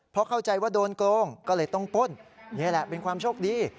เพราะเข้าใจว่าโดนโกงก็เลยต้องป้นนี่แหละเป็นความโชคดี